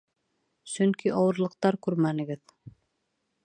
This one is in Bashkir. Сөнки ауырлыҡтар күрмәнегеҙ.